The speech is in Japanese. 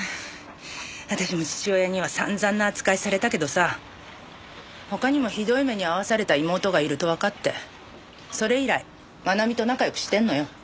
私も父親には散々な扱いされたけどさ他にもひどい目に遭わされた妹がいるとわかってそれ以来真奈美と仲良くしてるのよ。